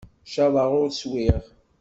Caḍeɣ ur swiɣ.